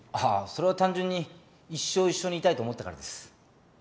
それは単純に一生一緒にいたいと思ったからです。